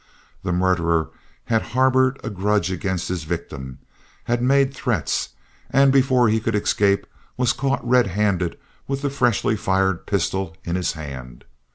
The murderer had harbored a grudge against his victim, had made threats, and before he could escape, was caught red handed with the freshly fired pistol in his hand.